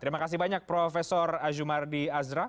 terima kasih banyak prof azumardi azra